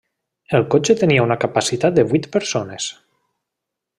El cotxe tenia una capacitat de vuit persones.